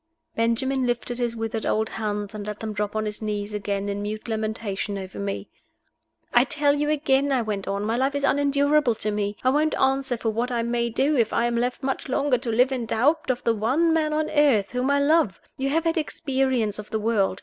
Benjamin lifted his withered old hands, and let them drop on his knees again in mute lamentation over me. "I tell you again," I went on, "my life is unendurable to me. I won't answer for what I may do if I am left much longer to live in doubt of the one man on earth whom I love. You have had experience of the world.